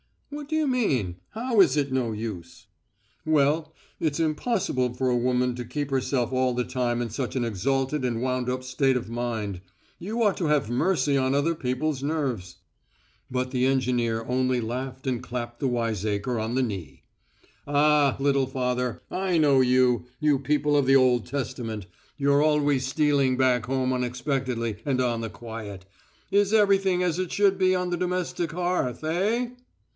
"What do you mean? How is it no use?" "Well, it's impossible for a woman to keep herself all the time in such an exalted and wound up state of mind. You ought to have mercy on other peoples' nerves." But the engineer only laughed and clapped the wiseacre on the knee. "Ah, little father, I know you, you people of the Old Testament. You're always stealing back home unexpectedly and on the quiet. 'Is everything as it should be on the domestic hearth?' Eh?"